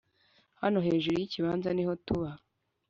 hano hejuru yikibanza niho tuba,